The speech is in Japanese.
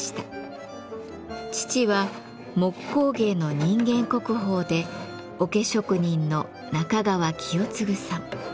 父は木工芸の人間国宝で桶職人の中川清司さん。